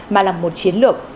mà là một chiến lược